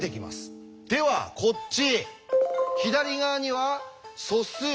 ではこっち。